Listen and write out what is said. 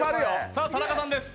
さあ田中さんです！